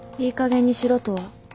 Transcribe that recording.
いいかげんにしろとは？